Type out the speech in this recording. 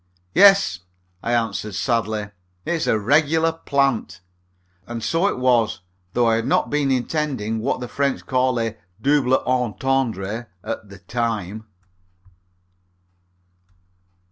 "Yes," I answered sadly, "it's a regular plant." And so it was, though I had not been intending what the French call a double entendre at the time.